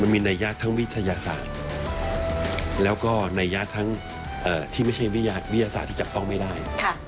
มีนัยยะทั้งวิทยาศาสตร์แล้วก็นัยยะทั้งที่ไม่ใช่วิทยาศาสตร์ที่จับต้องไม่ได้